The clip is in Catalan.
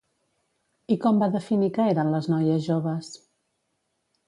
I com va definir que eren les noies joves?